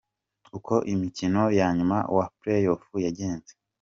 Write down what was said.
Uko imikino ya nyuma wa Playoffs yagenze.